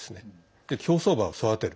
で、競走馬を育てる。